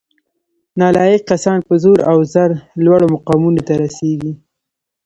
نالایق کسان په زور او زر لوړو مقامونو ته رسیږي